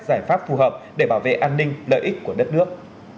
giải pháp phù hợp để bảo vệ an ninh lợi ích của đất nước